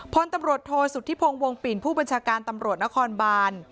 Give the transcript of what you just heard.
พลตำรวจโทษสุธิพงศ์วงปิ่นผู้บัญชาการตำรวจนครบาน